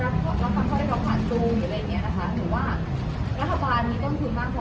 รับฟังข้อแรกกว่าจูเณี่ยวอะไรอย่างเงี้ยนะคะ